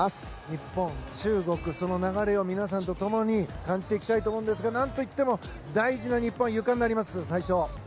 日本、中国その流れを皆さんと共に感じていきたいと思うんですが何といっても、日本は大事なゆかになります、最初。